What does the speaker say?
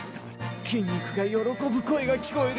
筋肉が喜ぶ声が聞こえる！